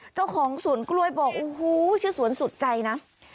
เจ้าของสวนกล้วยบอกโอ้โหชื่อสวนสุดใจนะ